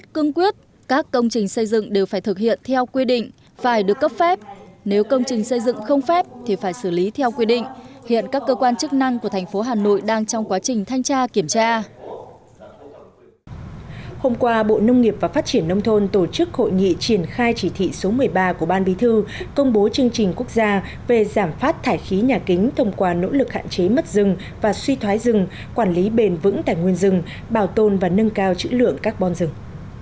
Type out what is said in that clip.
hôm qua bộ nông nghiệp và phát triển nông thôn tổ chức hội nghị triển khai chỉ thị số một mươi ba của ban bí thư công bố chương trình quốc gia về giảm phát thải khí nhà kính thông qua nỗ lực hạn chế mất rừng và suy thoái rừng quản lý bền vững tài nguyên rừng bảo tồn và nâng cao chữ lượng các bon rừng